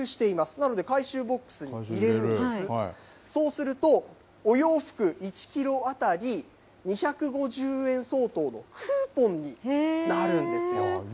なので、回収ボックスに入れます、そうすると、お洋服１キロ当たり２５０円相当のクーポンになるんですよ。